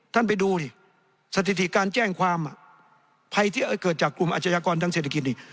ท่านไปดูดิสถิติการแจ้งความภัยที่เกิดจากกลุ่มอาชญากรทางเศรษฐกิจนี่